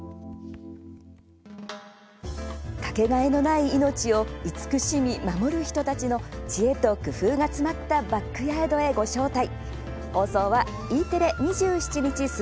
掛けがえのない命を慈しみ守る人たちの知恵と工夫が詰まったバックヤードへご招待。